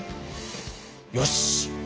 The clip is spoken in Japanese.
よし！